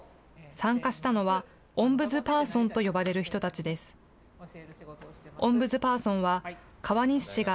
参加したのは、オンブズパーソンと呼ばれる人たちです。